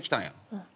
うん。